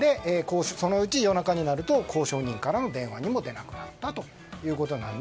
そのうち夜中になると交渉人からの電話にも出なくなったと。